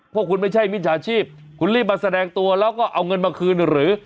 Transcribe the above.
พวกคุณไม่ใช่มิจฉาชีพคุณรีบมาแสดงตัวแล้วก็เอาเงินมาคืนหรือ